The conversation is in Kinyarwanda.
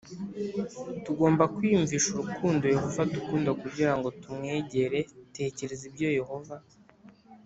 Tugomba kwiyumvisha urukundo Yehova adukunda kugira ngo tumwegere Tekereza ibyo Yehova